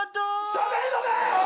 しゃべんのかい！